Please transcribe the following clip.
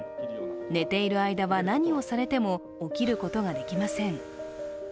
寝ている間は、何をされても起きることができません。